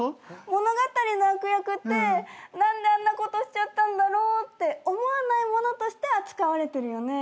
物語の悪役って何であんなことしちゃったんだろうって思わないものとして扱われてるよね。